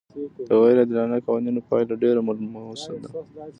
د غیر عادلانه قوانینو پایله ډېره ملموسه ده.